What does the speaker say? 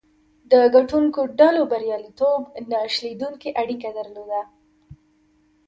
د ګټونکو ډلو بریالیتوب نه شلېدونکې اړیکه درلوده.